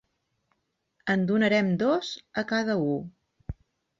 En donarem dos a cada u.